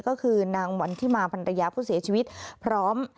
ก็คือนางวันที่มาพันรยาผู้เสียชีวิตพร้อม